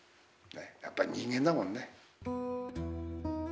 やっぱり人間だもんね。